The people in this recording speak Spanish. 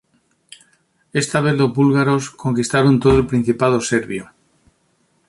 Esta vez los búlgaros conquistaron todo el principado serbio.